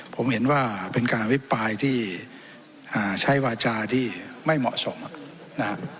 ผมเห็นว่าเป็นการวิปรายที่อ่าใช้หวัจจากที่ไม่เหมาะสมอ่ะนะครับ